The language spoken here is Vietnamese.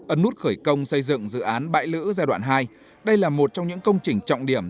ấn nút khởi công xây dựng dự án bãi lữ giai đoạn hai đây là một trong những công trình trọng điểm